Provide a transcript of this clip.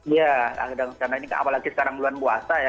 iya karena ini apalagi sekarang bulan puasa ya